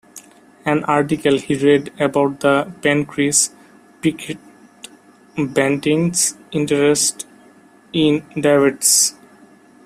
An article he read about the pancreas piqued Banting's interest in diabetes.